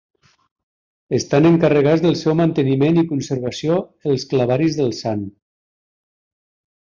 Estant encarregats del seu manteniment i conservació els clavaris del Sant.